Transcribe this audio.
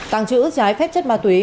tàng trữ trái phép chất ma túy